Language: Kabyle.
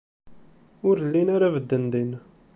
Ur llin ara bedden din.